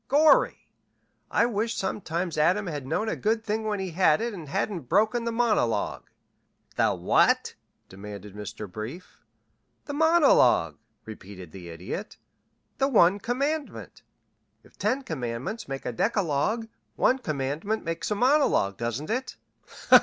Gorry! I wish sometimes Adam had known a good thing when he had it and hadn't broken the monologue." "The what?" demanded Mr. Brief. "The monologue," repeated the Idiot. "The one commandment. If ten commandments make a decalogue, one commandment makes a monologue, doesn't it?"